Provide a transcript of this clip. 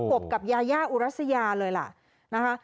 บกับยายาอุรัสยาเลยล่ะนะคะ